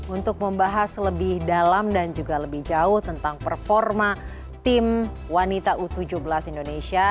untuk membahas lebih dalam dan juga lebih jauh tentang performa tim wanita u tujuh belas indonesia